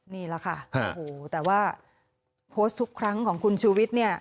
นี่แหละค่ะโอ้โหแต่ว่าโพสต์ทุกครั้งของคุณชูวิทย์เนี่ย